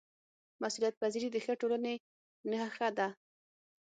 مسؤلیتپذیري د ښه ټولنې نښه ده